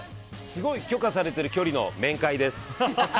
すごい許可されてる距離の面会です。